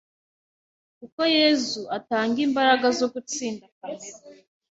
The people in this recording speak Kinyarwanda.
kuko Yezu atanga imbaraga zo gutsinda kamere